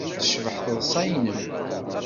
Tecbeḥ teḍsa-nnem.